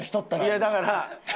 いやだから。